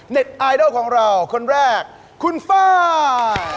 ไอดอลของเราคนแรกคุณฟ้า